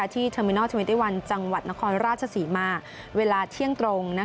ที่เทอร์มินอล๒๑จังหวัดนครราชศรีมาเวลาเที่ยงตรง